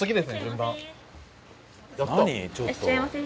いらっしゃいませ。